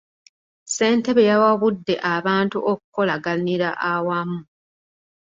Ssentebe yawabudde abantu okukolaganira awamu.